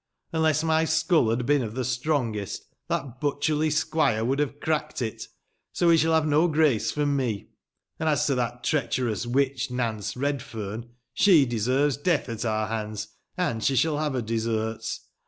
XJnless my skull liad been of the strongest, that butcherly squire would have cmcked it, so lie sliall have no grace f rom me ; and as to that treacherous witch, Nance Bed feme, she deserves death at our Lands, and she sliall haye her deserts.